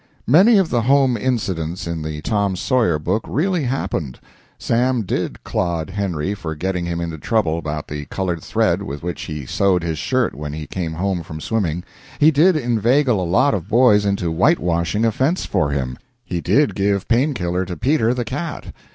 Many of the home incidents in the Tom Sawyer book really happened. Sam did clod Henry for getting him into trouble about the colored thread with which he sewed his shirt when he came home from swimming; he did inveigle a lot of boys into whitewashing a fence for him; he did give painkiller to Peter, the cat.